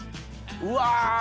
うわ！